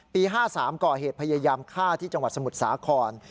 ๕๓ก่อเหตุพยายามฆ่าที่จังหวัดสมุทรสาคร